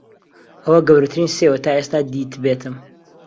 ئەوە گەورەترین سێوە تا ئێستا دیتبێتم.